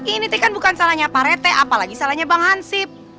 ini kan bukan salahnya pak rete apalagi salahnya bang hansip